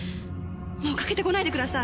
もう掛けてこないでください。